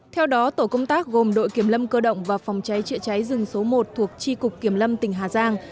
theo đó tổ công tác gồm đội kiểm lâm cơ động và phòng cháy chữa cháy rừng số một thuộc tri cục kiểm lâm tỉnh hà giang